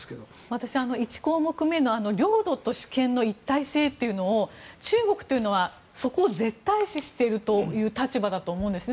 私、１項目目の領土と主権の一体性というのを中国というのはそこを絶対視しているという立場だと思うんですね。